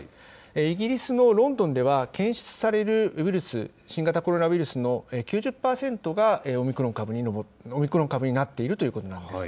イギリスのロンドンでは、検出されるウイルス、新型コロナウイルスの９０％がオミクロン株になっているということなんです。